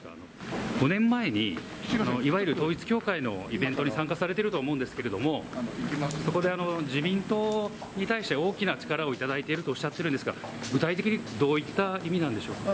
５年前にいわゆる統一教会のイベントに参加されていると思うんですけれども、そこで自民党に対して、大きな力を頂いているとおっしゃっているんですが、具体的にどういった意味なんでしょうか。